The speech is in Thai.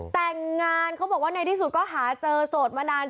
แต่งงานเขาบอกว่าในที่สุดก็หาเจอโสดมานาน